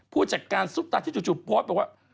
ผู้จัดการซุปตาที่จู่โพสต์บอกว่า